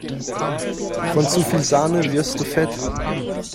Von zu viel Sahne wirst du fett!